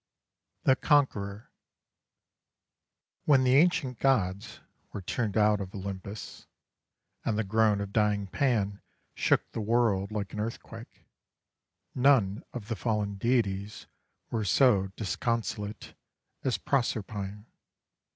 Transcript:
THE CONQUEROR When the ancient gods were turned out of Olympus, and the groan of dying Pan shook the world like an earthquake, none of the fallen deities was so disconsolate as Proserpine.